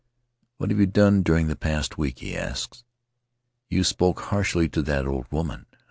'What have you done during the past week?' he asks. ... 'You spoke harshly to that old woman?